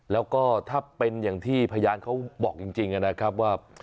แล้วก็ถ้าเป็นอย่างที่พยานเขาบอกจริงนะครับว่า